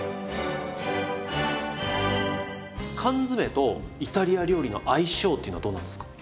缶詰とイタリア料理の相性っていうのはどうなんですか？